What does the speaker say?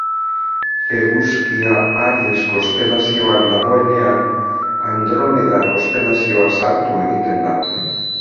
Eguzkia Aries konstelazioan dagoenean, Andromeda konstelazioa sartu egiten da.